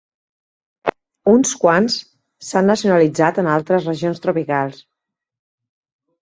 Uns quants s'han nacionalitzat en altres regions tropicals.